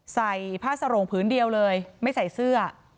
ใส่ผ้าสโรงพื้นเดียวเลยไม่ใส่เสื้อ